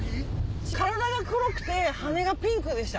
体が黒くて羽がピンクでした。